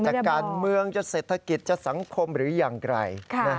จากการเมืองจากเศรษฐกิจจากสังคมหรือยังไกล